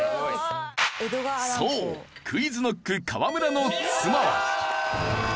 そうＱｕｉｚＫｎｏｃｋ河村の妻は。